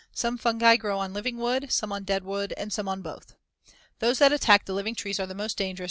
Some fungi grow on living wood some on dead wood and some on both. Those that attack the living trees are the most dangerous from the standpoint of disease.